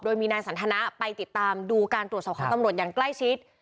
โดยมีนายสันทนะไปติดตามดูการตรวจสอบของตำรวจอย่างใกล้ชิด